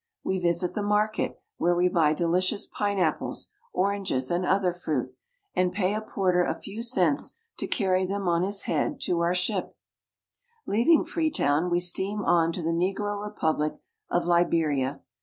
We visit the market, where we buy deJl LJous pineapples, or anges, and other fruit, and pay a porter a few cents to carry them on his head to Sierra LeoriE women. Q^^,. ghjp. Leaving Freetown, we steam on to the negro republic of Eiheria (ll be'ri a).